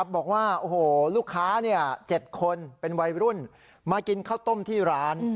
บอกว่าโอ้โหลูกค้า๗คนเป็นวัยรุ่นมากินข้าวต้มที่ร้าน